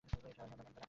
হে আমার বান্দারা!